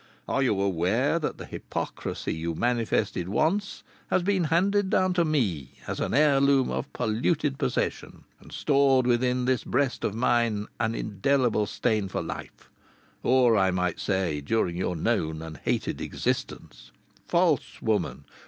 Are you aware that the hypocrisy you manifested once has been handed down to me as an heirloom of polluted possession, and stored within this breast of mine, an indelible stain for life, or, I might say, during your known and hated existence? "False woman!